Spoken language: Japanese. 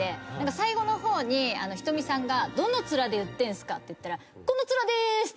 最後の方に仁美さんが「どのツラで言ってんすか？」って言ったら「このツラです」って。